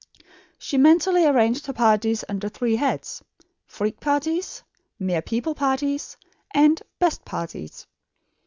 She mentally arranged her parties under three heads "freak parties," "mere people parties," and "best parties."